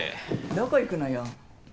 どこ行くのよ？